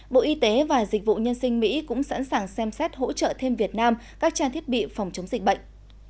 bộ y tế và dịch vụ nhân sinh mỹ cũng sẵn sàng xem xét hỗ trợ thêm việt nam các trang thiết bị phòng chống dịch bệnh